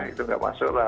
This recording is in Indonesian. itu nggak masuk lah